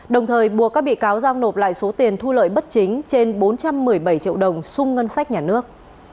đồng thời buộc các bị cáo giao nộp lại số tiền thu lợi bất chính trên bốn trăm một mươi bảy triệu đồng sung ngân sách nhà nước